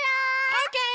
オーケー！